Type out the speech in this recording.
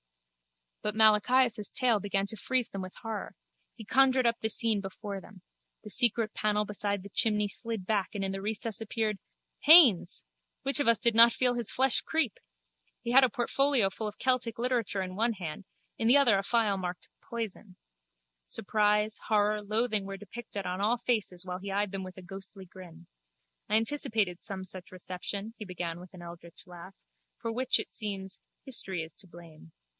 But Malachias' tale began to freeze them with horror. He conjured up the scene before them. The secret panel beside the chimney slid back and in the recess appeared... Haines! Which of us did not feel his flesh creep! He had a portfolio full of Celtic literature in one hand, in the other a phial marked Poison. Surprise, horror, loathing were depicted on all faces while he eyed them with a ghostly grin. I anticipated some such reception, he began with an eldritch laugh, for which, it seems, history is to blame.